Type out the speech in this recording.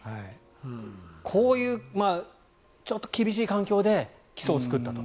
こういう厳しい環境で基礎を作ったと。